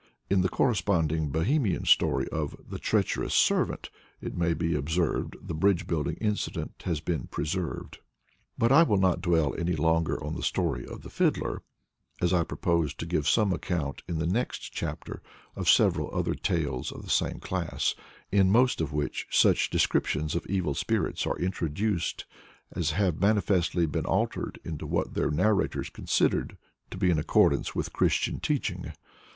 " In the corresponding Bohemian story of "The Treacherous Servant," it may be observed, the bridge building incident has been preserved. But I will not dwell any longer on the story of the Fiddler, as I propose to give some account in the next chapter of several other tales of the same class, in most of which such descriptions of evil spirits are introduced as have manifestly been altered into what their narrators considered to be in accordance with Christian teaching.